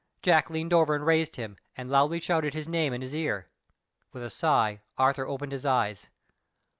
Jack leaned over and raised him, and loudly shouted his name in his ear. With a sigh Arthur opened his eyes.